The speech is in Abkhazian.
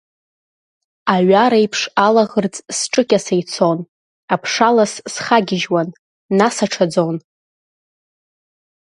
Аҩар еиԥш алаӷырӡ сҿыкьаса ицон, аԥшалас схагьежьуан, нас аҽаӡон.